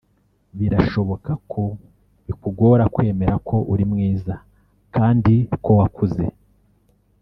Birashoboka ko bikugora kwemera ko uri mwiza kandi ko wakuze